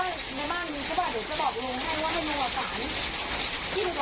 นี่บ้านมีหัวเหงาไหมลูก